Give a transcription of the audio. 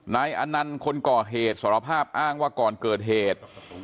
นายอนันต์คนก่อเหตุสารภาพอ้างว่าก่อนเกิดเหตุ